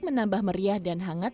menambah meriah dan hangat